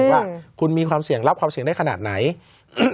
ว่าคุณมีความเสี่ยงรับความเสี่ยงได้ขนาดไหน